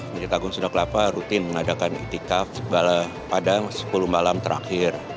masjid agung sunda kelapa rutin mengadakan itikaf bala padang sepuluh malam terakhir